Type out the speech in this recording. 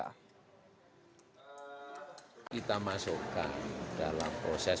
kita masukkan dalam proses